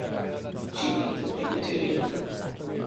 She is a vegetarian.